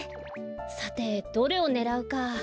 さてどれをねらうか。